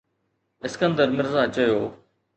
اسڪندر مرزا چيو